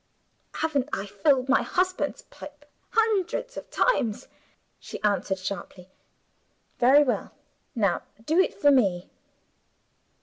"Haven't I filled my husband's pipe hundreds of times?" she answered sharply. "Very well. Now do it for me."